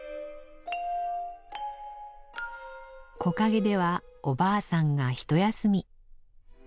木陰ではおばあさんがひと休み。